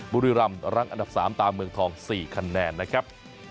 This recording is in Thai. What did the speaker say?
บุรีรำรั้งอันดับ๓ตามเมืองทอง๔คะแนนนะครับ